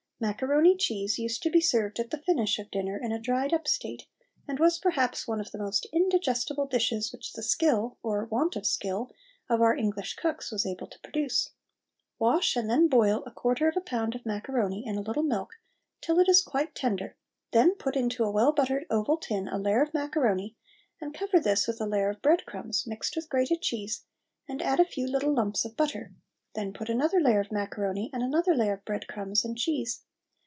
Macaroni cheese used to be served at the finish of dinner in a dried up state, and was perhaps one of the most indigestible dishes which the skill, or want of skill, of our English cooks was able to produce. Wash and then boil a quarter of a pound of macaroni in a little milk till it is quite tender, then put into a well buttered oval tin a layer of macaroni, and cover this with a layer of bread crumbs, mixed with grated cheese, and add a few little lumps of butter; then put another layer of macaroni and another layer of bread crumbs and cheese.